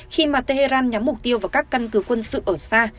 khi mà tehran nhắm mục tiêu vào các căn cứ quân sự ở xa